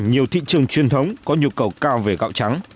nhiều thị trường truyền thống có nhu cầu cao về gạo trắng